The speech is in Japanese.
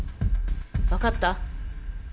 分かった？